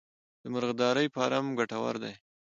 د مرغدارۍ فارم ګټور دی؟